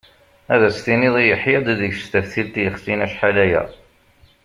Ad as-tiniḍ yeḥya-d deg-s taftilt yexsin acḥal-aya.